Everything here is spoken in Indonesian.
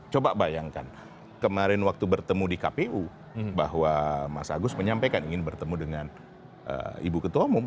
coba bayangkan kemarin waktu bertemu di kpu bahwa mas agus menyampaikan ingin bertemu dengan ibu ketua umum